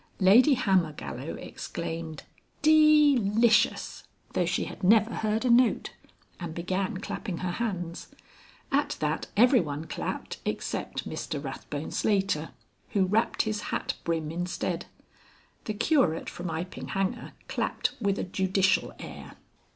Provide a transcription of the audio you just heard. Lady Hammergallow exclaimed "De licious!" though she had never heard a note, and began clapping her hands. At that everyone clapped except Mr Rathbone Slater, who rapped his hat brim instead. The Curate from Iping Hanger clapped with a judicial air.